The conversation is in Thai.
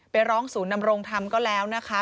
ไปร้องศูนย์นำรงธรรมก็แล้วนะคะ